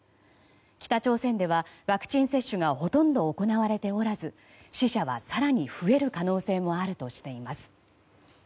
北朝鮮ではワクチン接種がほとんど行われておらず死者は更に増える可能性もあるとしています。